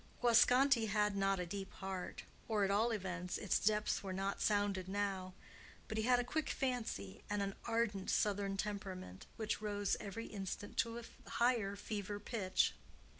Guasconti had not a deep heart—or, at all events, its depths were not sounded now; but he had a quick fancy, and an ardent southern temperament, which rose every instant to a higher fever pitch.